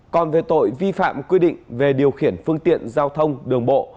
còn về tội vi phạm quy định về điều khiển phương tiện giao thông đường bộ